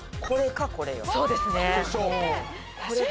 これかこれ。